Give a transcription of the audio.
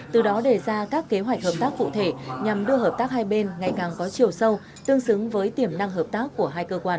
từ đó đề ra các kế hoạch hợp tác cụ thể nhằm đưa hợp tác hai bên ngày càng có chiều sâu tương xứng với tiềm năng hợp tác của hai cơ quan